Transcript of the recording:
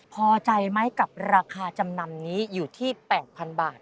พอใจไหมกับราคาจำนำนี้อยู่ที่๘๐๐๐บาท